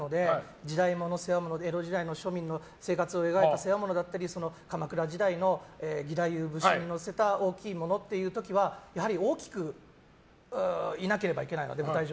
時代物だったり江戸時代の庶民の生活を描いた世話物だったり鎌倉時代の義太夫武人を乗せた大きいものとかっていう時はやはり大きくいなければいけないので。